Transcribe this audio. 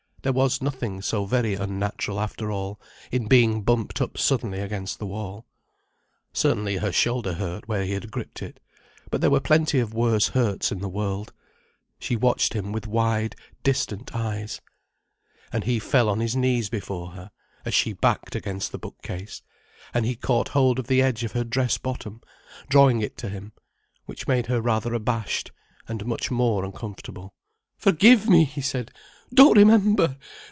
There was nothing so very unnatural, after all, in being bumped up suddenly against the wall. Certainly her shoulder hurt where he had gripped it. But there were plenty of worse hurts in the world. She watched him with wide, distant eyes. And he fell on his knees before her, as she backed against the bookcase, and he caught hold of the edge of her dress bottom, drawing it to him. Which made her rather abashed, and much more uncomfortable. "Forgive me!" he said. "Don't remember!